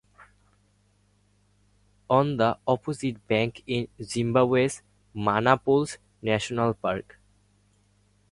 On the opposite bank is Zimbabwe's Mana Pools National Park.